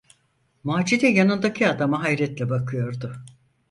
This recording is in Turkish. Macide yanındaki adama hayretle bakıyordu.